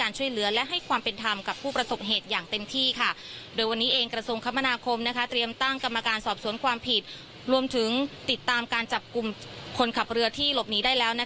รวมถึงติดตามการจับกลุ่มคนขับเรือที่หลบนี้ได้แล้ว